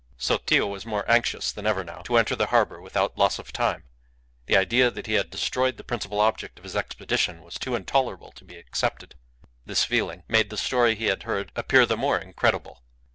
Sotillo was more anxious than ever now to enter the harbour without loss of time; the idea that he had destroyed the principal object of his expedition was too intolerable to be accepted. This feeling made the story he had heard appear the more incredible.